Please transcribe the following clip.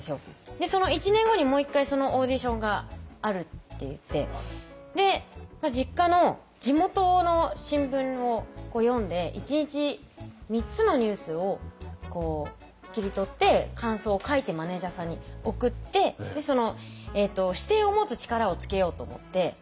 でその１年後にもう１回そのオーディションがあるっていって実家の地元の新聞を読んで一日３つのニュースを切り取って感想を書いてマネージャーさんに送って視点を持つ力をつけようと思って。